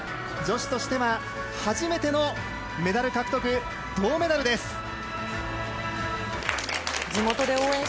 女子としては初めてのメダル獲得、銅メダルです。